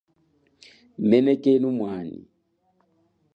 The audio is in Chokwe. Menekenu mwanyi.